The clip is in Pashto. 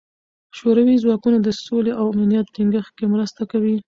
شوروي ځواکونه د سولې او امنیت ټینګښت کې مرسته کوي.